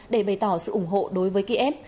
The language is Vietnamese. để bày tỏ sự ủng hộ đối với kiev